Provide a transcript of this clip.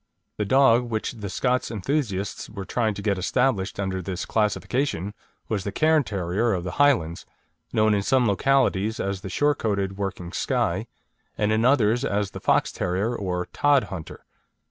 The dog which the Scots enthusiasts were trying to get established under this classification was the Cairn Terrier of the Highlands, known in some localities as the short coated, working Skye, and in others as the Fox terrier, or Tod hunter.